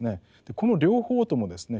この両方ともですね